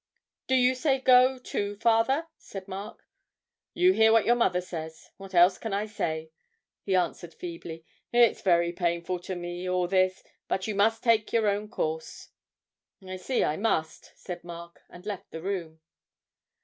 'Do you say go, too, father?' said Mark. 'You hear what your mother says. What else can I say?' he answered feebly; 'it's very painful to me all this but you must take your own course.' 'I see I must,' said Mark, and left the room.